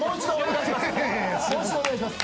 ・もう一度お願いします。